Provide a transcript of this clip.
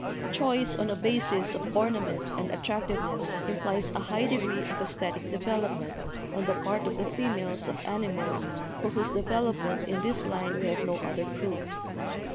"Choice on a basis of ornament and attractiveness im plies a high degree of esthetic development on the part of the females of animals for whose development in this line we have no (other) proof.